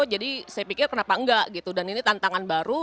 saya pikir kenapa enggak gitu dan ini tantangan baru